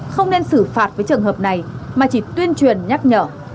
không nên xử phạt với trường hợp này mà chỉ tuyên truyền nhắc nhở